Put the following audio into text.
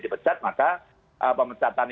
dipecat maka pemecatan